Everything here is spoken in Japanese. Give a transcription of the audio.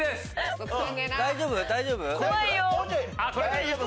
大丈夫？